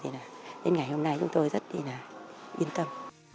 thì là đến ngày hôm nay chúng tôi rất là yên tâm